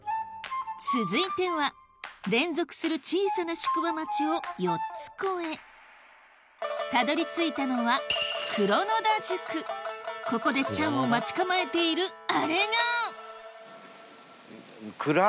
続いては連続する小さな宿場町を４つ越えたどり着いたのはここでチャンを待ち構えているあれが！